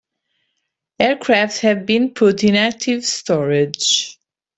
Aircraft have been put in "active" storage.